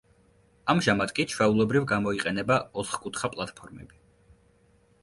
ამჟამად კი ჩვეულებრივ გამოიყენება ოთხკუთხა პლატფორმები.